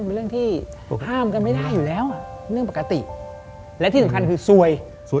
เป็นเรื่องที่ห้ามกันไม่ได้อยู่แล้วเรื่องปกติและที่สำคัญคือซวย